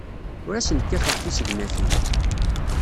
Ur asen-kkateɣ tissegnatin.